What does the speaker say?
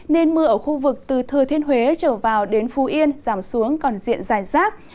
nên mưa ở khu vực từ thừa thiên huế trở vào đến phú yên giảm xuống còn diện dài rác